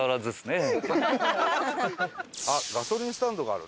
あっガソリンスタンドがあるね。